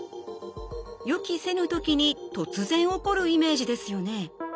予期せぬ時に突然起こるイメージですよね。